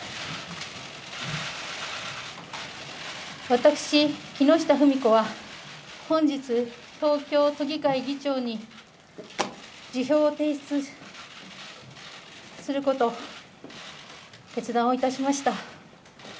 私、木下富美子は本日、東京都議会議長に辞表を提出すること、決断をいたしました。